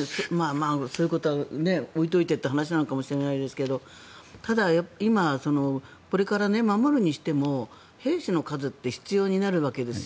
そういうことは置いておいてという話かもしれないですがただ、今これから守るにしても兵士の数って必要になるわけですよ